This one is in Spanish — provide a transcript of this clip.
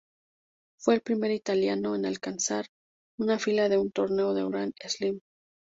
Fue el primer italiano en alcanzar una final de un torneo de Grand Slam.